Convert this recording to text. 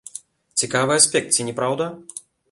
Цікавы аспект, ці не праўда?